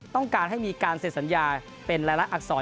ต้องการให้มีการเสร็จสัญญาเป็นรายละอักษร